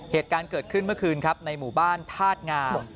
เหตุการณ์เกิดขึ้นเมื่อคืนครับในหมู่บ้านธาตุงาม